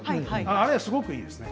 あれはすごくいいですよ。